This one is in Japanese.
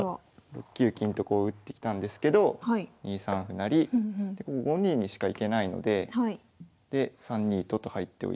６九金とこう打ってきたんですけど２三歩成５二にしかいけないのでで３二と金と入っておいて。